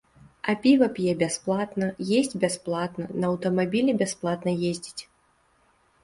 А піва п'е бясплатна, есць бясплатна, на аўтамабілі бясплатна ездзіць.